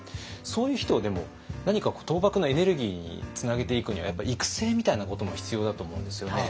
そういう人をでも何か倒幕のエネルギーにつなげていくにはやっぱ育成みたいなことも必要だと思うんですよね。